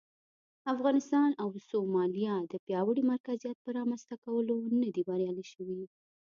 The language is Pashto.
افغانستان او سومالیا د پیاوړي مرکزیت پر رامنځته کولو نه دي بریالي شوي.